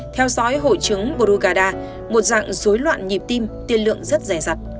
theo dõi hội chứng brugada một dạng dối loạn nhịp tim tiên lượng rất rẻ rặt